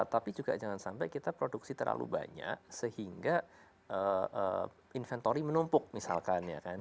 tapi juga jangan sampai kita produksi terlalu banyak sehingga inventory menumpuk misalkan ya kan